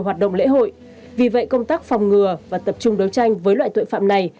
hoạt động lễ hội vì vậy công tác phòng ngừa và tập trung đấu tranh với loại tội phạm này